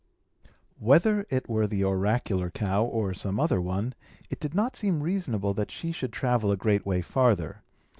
Whether it were the oracular cow or some other one, it did not seem reasonable that she should travel a great way farther.